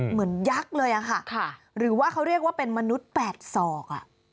ยักษ์เลยอะค่ะหรือว่าเขาเรียกว่าเป็นมนุษย์๘ศอก